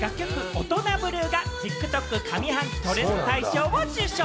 『オトナブルー』がＴｉｋＴｏｋ上半期トレンド大賞を受賞。